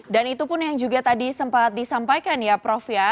dan itu pun yang juga tadi sempat disampaikan ya prof ya